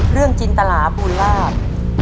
เรื่องจินตลาภูลาภ